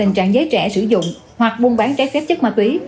tình trạng giấy trẻ sử dụng hoặc buôn bán trái xếp chất ma túy